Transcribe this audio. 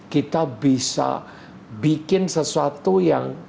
kita bisa bikin sesuatu yang